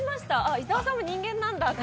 伊沢さんも人間なんだって。